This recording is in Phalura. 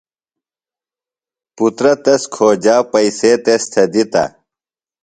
پُترہ تس کھوجا پیئسے تس تھےۡ دِتہ۔